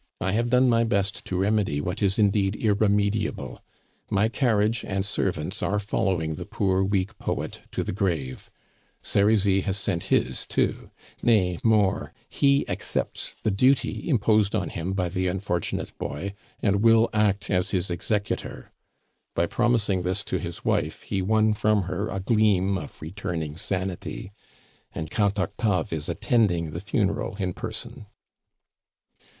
"I have done my best to remedy what is indeed irremediable. My carriage and servants are following the poor weak poet to the grave. Serizy has sent his too; nay, more, he accepts the duty imposed on him by the unfortunate boy, and will act as his executor. By promising this to his wife he won from her a gleam of returning sanity. And Count Octave is attending the funeral in person."